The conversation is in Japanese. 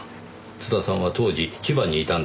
津田さんは当時千葉にいたんですねえ。